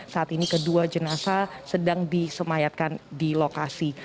saat ini kedua jenazah sedang disemayatkan di lokasi